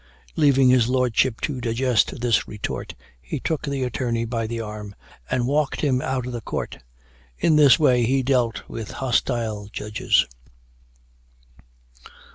Leaving his lordship to digest the retort, he took the attorney by the arm, and walked him out of Court. In this way he dealt with hostile judges.